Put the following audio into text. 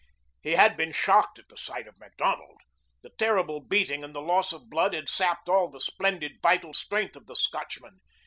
He had been shocked at the sight of Macdonald. The terrible beating and the loss of blood had sapped all the splendid, vital strength of the Scotchman.